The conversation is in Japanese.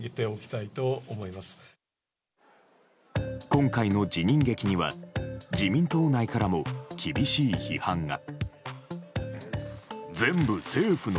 今回の辞任劇には自民党内からも厳しい批判が。